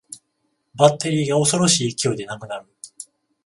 バッテリーが恐ろしい勢いでなくなる